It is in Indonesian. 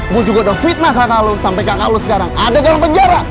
lo juga udah fitnah kakak lo sampai kakak lo sekarang ada dalam penjara